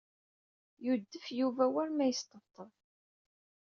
Yudef Yuba war ma yesṭebṭeb.